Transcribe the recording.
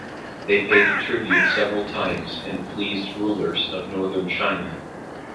They paid tribute several times and pleased rulers of Northern China.